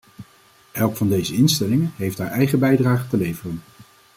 Elk van deze instellingen heeft haar eigen bijdrage te leveren.